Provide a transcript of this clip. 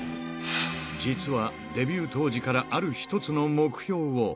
実はデビュー当時から、ある一つの目標を。